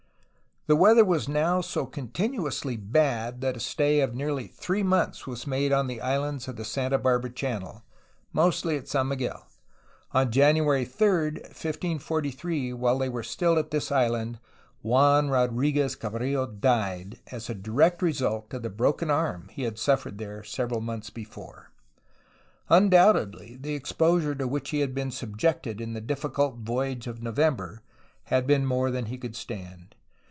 The weather was now so continuously bad that a stay of nearly three months was made on the islands of the Santa Barbara Channel, mostly at San Miguel. On January 3, 1543, while they were still at this island, Juan Rodriguez Cabrillo died, as a direct result of the broken arm he had suffered there, several months before. Undoubtedly, the exposure to which he had been subjected in the difficult voyage of November had been more than he could stand.